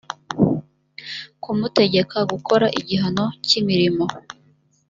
kumutegeka gukora igihano cy imirimo